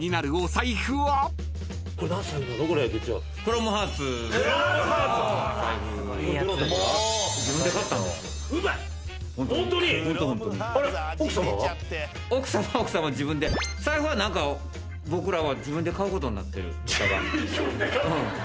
財布は何か僕らは自分で買うことになってる。